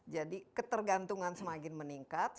jadi ketergantungan semakin meningkat